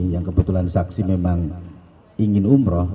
yang kebetulan saksi memang ingin umroh